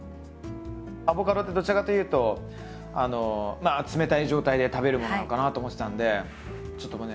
アボカドってどちらかっていうとまあ冷たい状態で食べるものなのかなって思ってたんでちょっとこうね